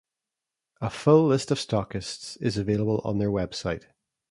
A full list of stockists is available on their website.